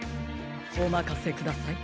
おまかせください。